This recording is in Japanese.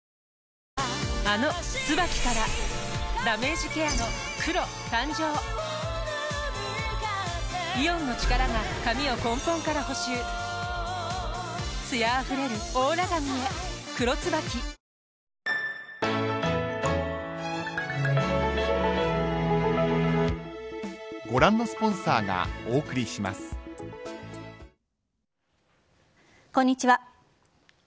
あの「ＴＳＵＢＡＫＩ」からダメージケアの黒誕生イオンの力が髪を根本から補修艶あふれるオーラ髪へ「黒ＴＳＵＢＡＫＩ」こんにちは。